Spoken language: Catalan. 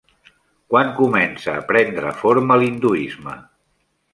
Quan comença a prendre forma l'hinduisme?